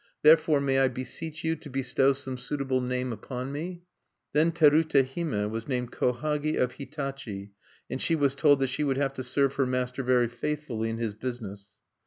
Therefore may I beseech you to bestow some suitable name upon me?" Then Terute Hime was named Kohagi of Hitachi, and she was told that she would have to serve her master very faithfully in his business.